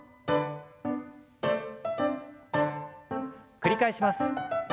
繰り返します。